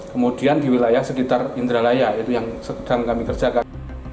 kemudian di wilayah sekitar indralaya itu yang sedang kami kerjakan